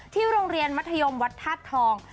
โรงเรียนมัธยมวัดธาตุทอง